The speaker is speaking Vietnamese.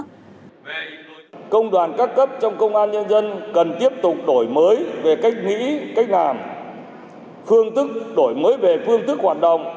công đoàn các cấp trong công an nhân dân cần tiếp tục đổi mới về cách nghĩ cách làm phương thức đổi mới về phương thức hoạt động